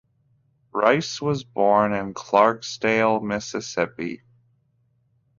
Rice was born in Clarksdale, Mississippi.